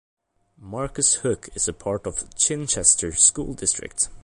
Marcus Hook is a part of Chichester School District.